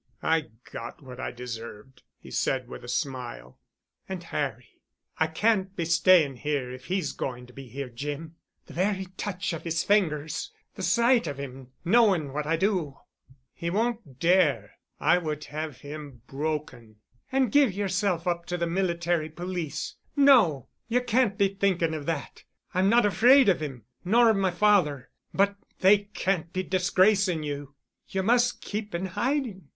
"I got what I deserved," he said with a smile. "And Harry? I can't be staying here if he's going to be here, Jim. The very touch of his fingers ... the sight of him, knowing what I do——" "He won't dare—I would have him broken——" "And give yourself up to the Military Police. No. You can't be thinking of that. I'm not afraid of him—nor of my father. But—they can't be disgracing you. You must keep in hiding.